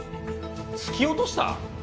突き落とした？